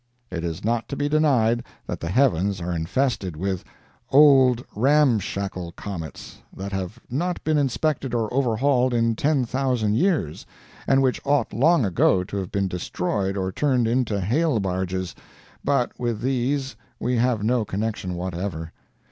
It is not to be denied that the heavens are infested with OLD RAMSHACKLE COMETS that have not been inspected or overhauled in 10,000 years, and which ought long ago to have been destroyed or turned into hail barges, but with these we have no connection whatever.